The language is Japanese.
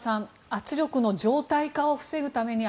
圧力の常態化を防ぐために